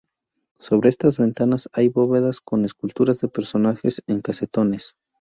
Sobre estas ventanas hay bóvedas con esculturas de personajes en casetones.